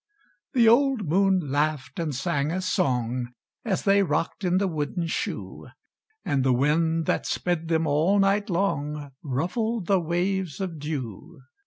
The old moon laughed and sang a song, As they rocked in the wooden shoe, And the wind that sped them all night long Ruffled the waves of dew.